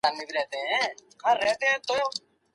حکومتونه د ښوونځیو جوړولو مسؤلیت لري.